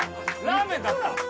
ラーメンだった？